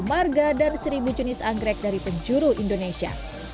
empat marga dan satu jenis anggrek dari penjuru indonesia